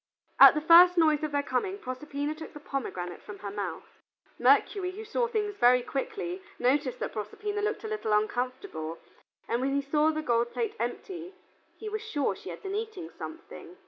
At the first noise of their coming, Proserpina took the pomegranate from her mouth. Mercury, who saw things very quickly, noticed that Proserpina looked a little uncomfortable, and when he saw the gold plate empty, he was sure she had been eating something.